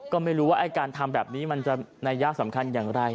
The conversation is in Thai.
ก็ไม่รู้ว่าไอ้การทำแบบนี้มันจะนัยยะสำคัญอย่างไร